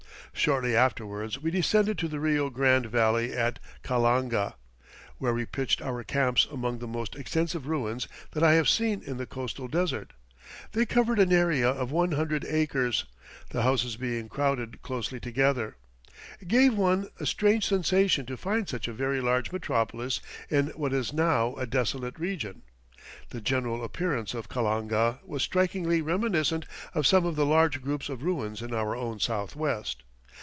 Shortly afterwards we descended to the Rio Grande Valley at Callanga, where we pitched our camps among the most extensive ruins that I have seen in the coastal desert. They covered an area of one hundred acres, the houses being crowded closely together. It gave one a strange sensation to find such a very large metropolis in what is now a desolate region. The general appearance of Callanga was strikingly reminiscent of some of the large groups of ruins in our own Southwest.